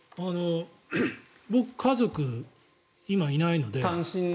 僕、家族今、いないので。